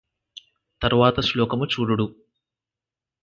తరువాత శ్లోకము చూడుడు